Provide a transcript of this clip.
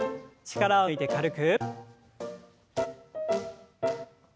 力を抜いて軽く。